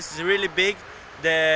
sangat bagus sangat besar